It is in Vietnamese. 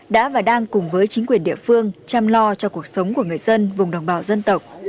đã và đang cùng với chính quyền địa phương chăm lo cho cuộc sống của người dân vùng đồng bào dân tộc